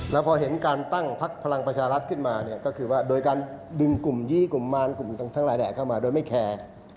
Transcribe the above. แล้วพอเห็นการตั้งพักพลังประชารัฐขึ้นมาเนี่ยก็คือว่าโดยการดึงกลุ่มยี่กลุ่มมารกลุ่มทั้งหลายแดดเข้ามาโดยไม่แคร์